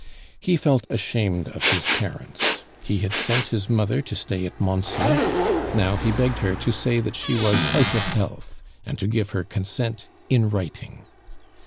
He felt ashamed of his parents. He had sent his mother to stay at Mansle; now he begged her to say that she was out of health and to give her consent in writing.